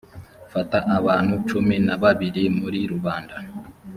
fata abantu cumi na babiri muri rubanda.